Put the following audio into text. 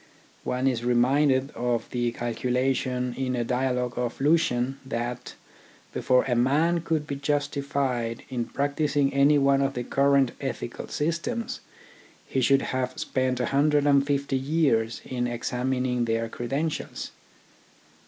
One is reminded of the calculation in a dialogue of Lucian that, before a man could be justified in practising any one of the current ethical systems, he should have spent a hundred and fifty years in examining their credentials.